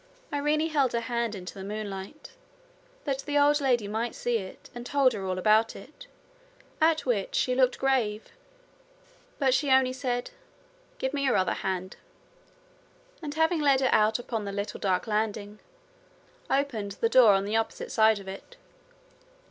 Irene held her hand into the moonlight, that the old lady might see it, and told her all about it, at which she looked grave. But she only said: 'Give me your other hand'; and, having led her out upon the little dark landing, opened the door on the opposite side of it.